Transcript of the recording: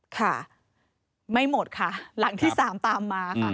ค่ะไม่หมดค่ะหลังที่๓ตามมาค่ะ